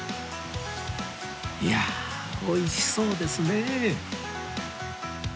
いやあおいしそうですねえ